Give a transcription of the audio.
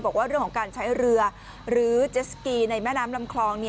บอกว่าเรื่องของการใช้เรือหรือเจสสกีในแม่น้ำลำคลอง